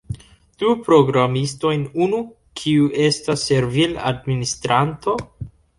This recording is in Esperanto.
Du programistojn unu, kiu estas servil-administranto